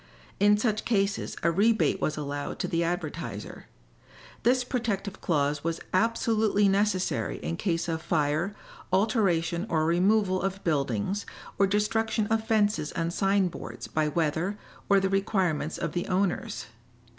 In such cases a rebate was allowed to the advertiser. This protective clause was absolutely necessary in case of fire, alteration or removal of buildings or destruction of fences and sign boards by weather or the requirements of the owners.